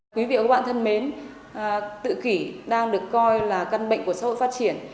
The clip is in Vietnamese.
quý vị và các bạn thân mến tự kỷ đang được coi là căn bệnh của xã hội phát triển